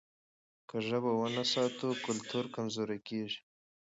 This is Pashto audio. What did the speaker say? که ژبه ونه ساتو کلتور کمزوری کېږي.